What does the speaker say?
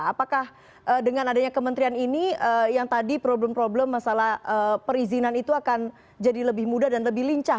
apakah dengan adanya kementerian ini yang tadi problem problem masalah perizinan itu akan jadi lebih mudah dan lebih lincah